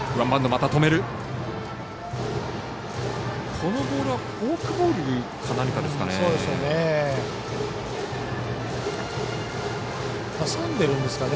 このボールはフォークボールか何かですかね。